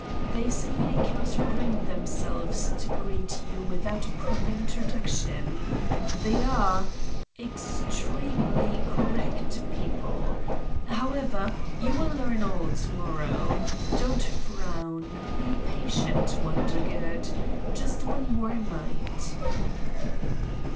They simply cannot bring themselves to greet you without a proper intro duction. They are ... extremely correct people. However, you will learn all to morrow. Don't frown. Be patient, Wondergood! Just*one more night!"